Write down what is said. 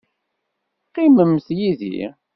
Qqimemt yid-i.